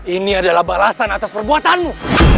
ini adalah balasan atas perbuatanmu